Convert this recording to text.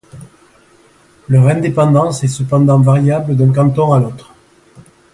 Leur indépendance est cependant variable d’un canton à l’autre.